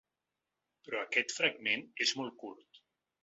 Però aquest fragment és molt curt.